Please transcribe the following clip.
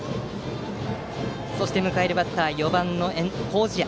そして迎えるバッターは４番の麹家。